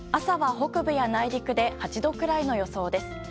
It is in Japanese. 朝は北部や内陸で８度くらいの予想です。